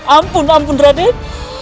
ampun ampun raden